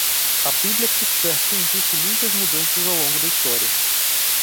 A bíblia cristã tem visto muitas mudanças ao longo da história.